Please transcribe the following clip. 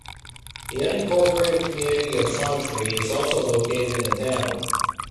The unincorporated community of Sauntry is also located in the town.